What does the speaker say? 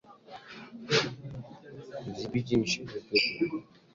Udhibiti wa Nishati na Petroli Aprili kumi na nne wakitumaini bei ya mafuta kuwa juu zaidi